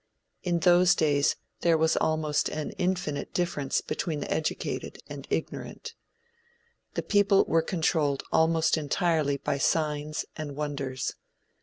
In those days there was an almost infinite difference between the educated and ignorant. The people were controlled almost entirely by signs and wonders.